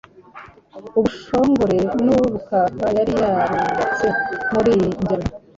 ubushongore n’ubukaka yari yarubatse muri iyi njyana